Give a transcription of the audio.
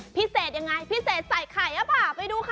พิเศษยังไงพิเศษใส่ไข่หรือเปล่าไปดูค่ะ